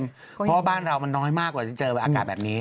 เพราะว่าบ้านเรามันน้อยมากกว่าจะเจออากาศแบบนี้